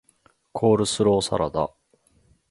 コールスローサラダ